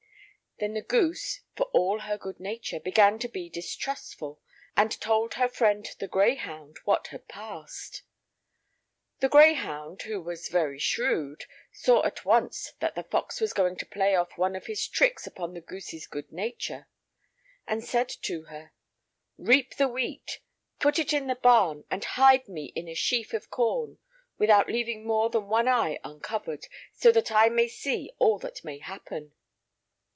Then the goose, for all her good nature, began to be distrustful, and told her friend the greyhound what had passed. The greyhound, who was very shrewd, saw at once that the fox was going to play off one of his tricks upon the goose's good nature, and said to her: "Reap the wheat; put it in the barn, and hide me in a sheaf of corn, without leaving more than one eye uncovered, so that I may see all that may happen."